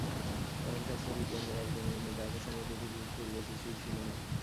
কালাম শাস্ত্রবিদগণের একদলের মতে আকাশসমূহ ও পৃথিবীর পূর্বে কিছুই ছিল না।